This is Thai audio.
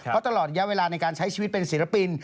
เพราะตลอดระยะเวลาในการใช้ชีวิตเป็นศิลปิน